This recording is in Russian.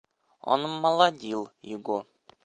Он молодил его.